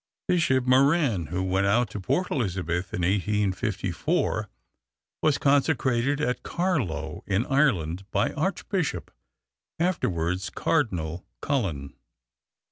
Bishop Moran, who went out to Port Elizabeth in 1854, was consecrated at Carlow in Ireland by Archbishop (afterwards Cardinal) Cullen.